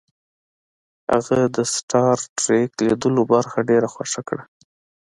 هغه د سټار ټریک لیدلو برخه ډیره خوښه کړه